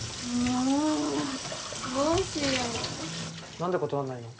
なんで断んないの。